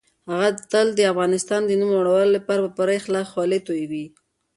هغه تل د افغانستان د نوم لوړولو لپاره په پوره اخلاص خولې تويوي.